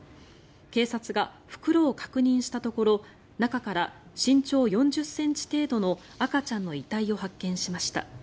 警察が袋を確認したところ中から身長４０ｃｍ程度の赤ちゃんの遺体を発見しました。